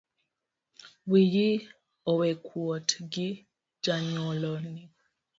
Wiyi owekuot gi janyuolni